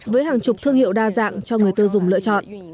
với hàng chục thương hiệu đa dạng cho người tiêu dùng lựa chọn